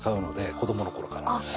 子供のころから。